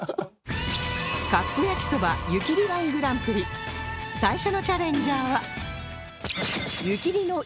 カップ焼きそば湯切り −１ グランプリ最初のチャレンジャーは